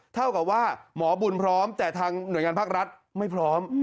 เท่ากับว่าหมอบุญพร้อมแต่ทางหน่วยงานภาครัฐไม่พร้อม